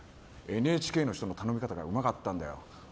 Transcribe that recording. ＮＨＫの人の頼み方がうまかったんだよ。